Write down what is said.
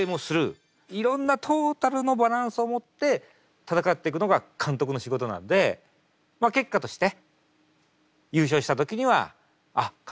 いろんなトータルのバランスをもって戦っていくのが監督の仕事なんでまあ結果として優勝した時にはあっ監督